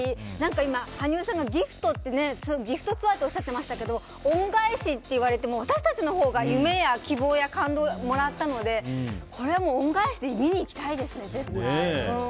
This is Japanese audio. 今、羽生さんが「ＧＩＦＴ」ツアーっておっしゃってましたけど恩返しって言われても私たちのほうが夢や希望や感動をもらったので恩返しで見に行きたいですね。